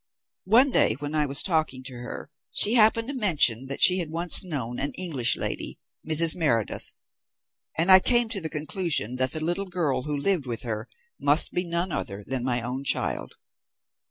One day when I was talking to her she happened to mention that she had once known an English lady, Mrs. Meredith, and I came to the conclusion that the little girl who lived with her must be none other than my own child.